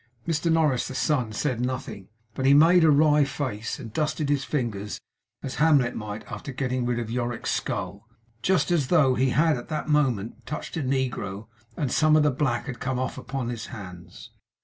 Mr Norris the son said nothing, but he made a wry face, and dusted his fingers as Hamlet might after getting rid of Yorick's skull; just as though he had that moment touched a negro, and some of the black had come off upon his hands.